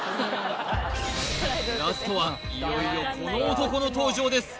ラストはいよいよこの男の登場です